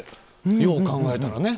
よう考えたらね。